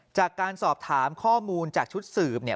จากการสอบถามข้อมูลจากชุดสืบเนี่ย